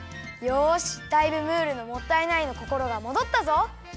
よしだいぶムールの「もったいない」のこころがもどったぞ！